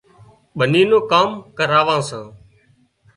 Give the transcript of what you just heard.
ٻنِِي نُون ڪام ڪراوان سان